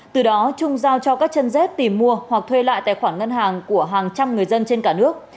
từ đó trung giao cho các chân dết tìm mua hoặc thuê lại tài khoản ngân hàng của hàng trăm người dân trên cả nước